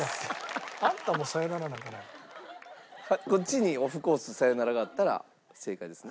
こっちにオフコース『さよなら』があったら正解ですね。